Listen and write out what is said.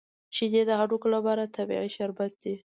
شیدې د هډوکو لپاره طبیعي شربت دی